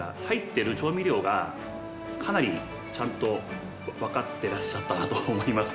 入ってる調味料がかなりちゃんと分かってらっしゃった。